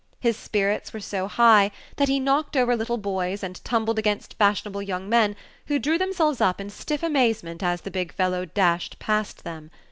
His spirits were so high that he knocked over little boys and tumbled against fashionable young men, who drew themselves up in stiff amazement as the big fellow dashed past them.